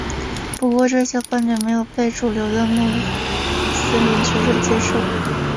不过这些观点没有被主流的穆斯林学者接受。